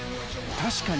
確かに。